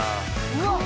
うわっ！